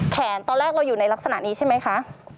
ตอนแรกเราอยู่ในลักษณะนี้ใช่ไหมคะ